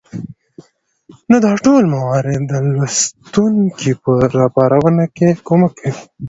نو دا ټول موارد د لوستونکى په راپارونه کې کمک کوي